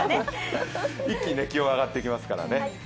一気に気温上がってきますからね。